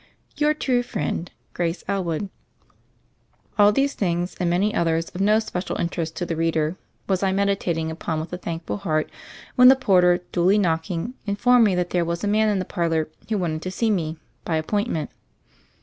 "Your true friend, "Grace Elwood." All these things — and many others of no spe cial interest to the reader — was I meditating upon with a thankful heart, when the porter, duly knocking, informed me that there was a man in the parlor who wanted to see me "by appointment."